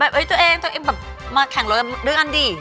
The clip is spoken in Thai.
แบบเธอเองมาแข่งรถด้วยกันดี